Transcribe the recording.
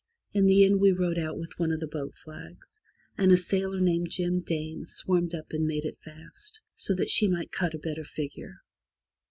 In the end we rowed out with one of the boat flags, and a sailor named Jim Dane swarmed up and made it fast, so that she might cut a better figure.